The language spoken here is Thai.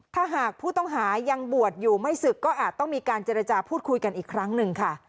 ถ้าหากผู้ต้องหายังบวชอยู่ไม่ศึกก็อาจต้องมีการเจรจาพูดคุยกันอีกครั้งหนึ่งค่ะ